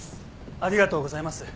ありがとうございます。